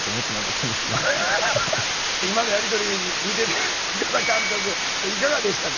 今のやり取り見てて深田監督いかがでしたか？